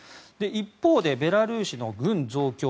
一方でベラルーシの軍増強